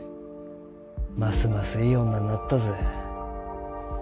ますますいい女になったぜ。